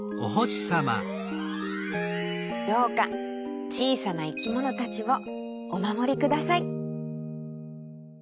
どうかちいさないきものたちをおまもりください。